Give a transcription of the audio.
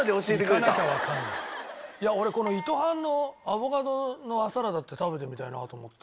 いや俺このいとはんのアボカドの和さらだって食べてみたいなと思った。